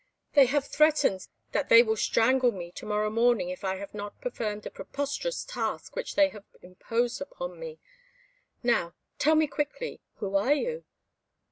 They have threatened that they will strangle me to morrow morning if I have not performed a preposterous task which they have imposed upon me. Now, tell me quickly, who are you?"